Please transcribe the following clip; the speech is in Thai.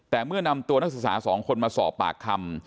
แต่เมื่อนำตัวนักศึกษา๒คนมาสอบปากคำ